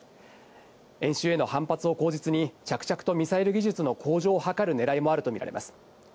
演習への反発を口実に着々とミサイル技術の向上を図るねらいもあるとみられます。